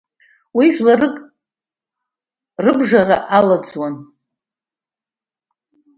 Уи жәларык рыбжара алаӡуан.